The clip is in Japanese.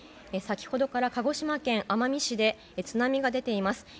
先ほどから鹿児島県奄美市で津波が出ています。